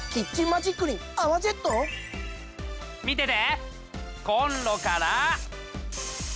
見てて！